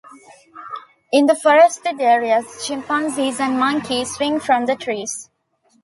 In the forested areas, chimpanzees and monkeys swing from the trees.